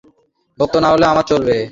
ভক্তি না হলেও আমার চলবে।